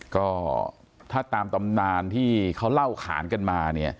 ก็ถ้าตามตำนานที่เขาเล่าขานกันมาเนี่ย